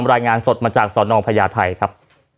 รายงานสดมาจากสนพญาไทยครับ